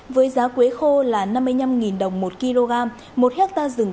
với giá quế khô là năm mươi năm đồng một kg